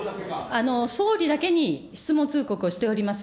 総理だけに質問通告をしております。